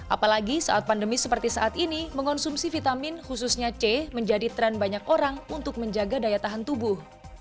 apalagi saat pandemi seperti saat ini mengonsumsi vitamin khususnya c menjadi tren banyak orang untuk menjaga daya tahan tubuh